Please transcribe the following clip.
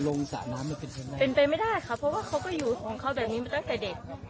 ว่าใช่เพราะเขาก็อยู่ของเขาแบบนี้มาตั้งแต่เด็ก